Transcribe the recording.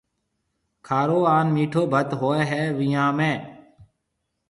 کارو هانَ مِٺو ڀت هوئي هيَ ويهان ۾۔